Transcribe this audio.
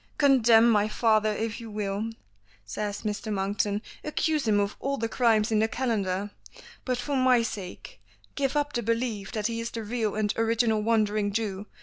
"Condemn my father if you will," says Mr. Monkton, "accuse him of all the crimes in the calendar, but for my sake give up the belief that he is the real and original Wandering Jew.